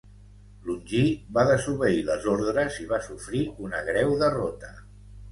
Longí va desobeir les ordres i va sofrir una greu derrota.